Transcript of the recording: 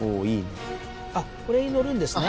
あっこれに乗るんですね。